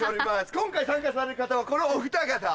今回参加される方はこのおふた方。